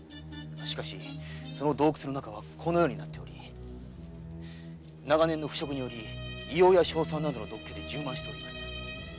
しかしその洞窟の中はこのようになっており長年の腐食により硫黄や硝酸などの毒気で充満しております。